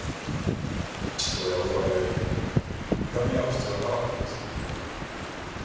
父親を奪い合いいがみ合う必要はなかったんです。